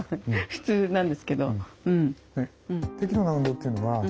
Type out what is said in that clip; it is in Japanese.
普通なんですけど。